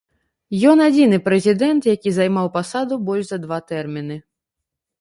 Ён адзіны прэзідэнт, які займаў пасаду больш за два тэрміны.